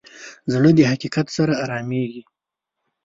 زړه د حقیقت سره ارامېږي.